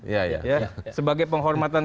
ya ya sebagai penghormatan